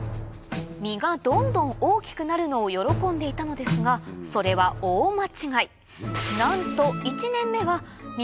実がどんどん大きくなるのを喜んでいたのですがそれは大間違い